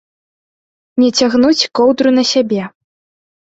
Не цягнуць коўдру на сябе.